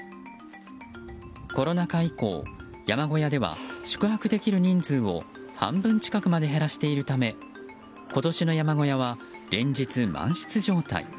コロナ禍以降山小屋では宿泊できる人数を半分近くまで減らしているため今年の山小屋は連日、満室状態。